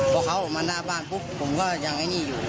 พอเขาออกมาหน้าบ้านปุ๊บผมก็ยังไอ้นี่อยู่